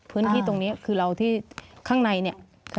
พื้นที่ตรงนี้คือข้างใน